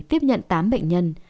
tiếp nhận tám bệnh nhân